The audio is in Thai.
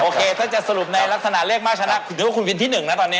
โอเคถ้าจะสรุปในลักษณะเลขมาชนะคุณว่าคุณวินที่หนึ่งนะตอนนี้